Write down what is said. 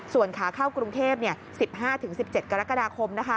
ส่วนขาเข้ากรุงเทพ๑๕๑๗กรกฎาคม